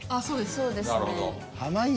そうですね。